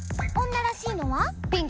女らしいのは？